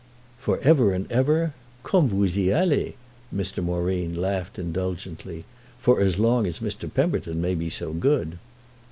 "For ever and ever? Comme vous y allez!" Mr. Moreen laughed indulgently. "For as long as Mr. Pemberton may be so good."